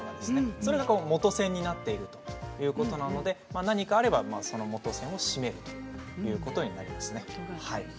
それが元栓になっているということなので何かあればその元栓を締めるということになりますね。